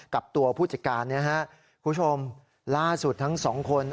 กับตัวผู้จัดการเนี่ยฮะคุณผู้ชมล่าสุดทั้งสองคน